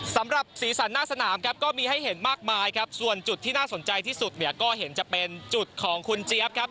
สำหรับสีสันหน้าสนามครับก็มีให้เห็นมากมายครับส่วนจุดที่น่าสนใจที่สุดเนี่ยก็เห็นจะเป็นจุดของคุณเจี๊ยบครับ